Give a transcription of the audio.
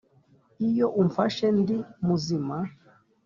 iyo umfashe, ndi muzima